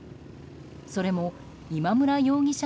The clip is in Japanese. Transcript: それも今村容疑者